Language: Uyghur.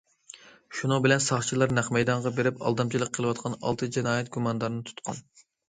شۇنىڭ بىلەن ساقچىلار نەق مەيدانغا بېرىپ ئالدامچىلىق قىلىۋاتقان ئالتە جىنايەت گۇماندارىنى تۇتقان.